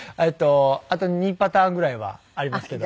あと２パターンぐらいはありますけども。